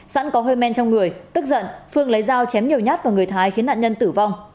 sẵn có hơi men trong người tức giận phương lấy dao chém nhiều nhát vào người thái khiến nạn nhân tử vong